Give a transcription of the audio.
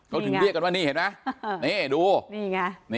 เขาถึงเรียกกันว่านี่เห็นไหมนี่ดูนี่ไง